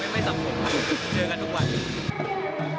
ไม่สบสนครับเสียงกันทุกวัน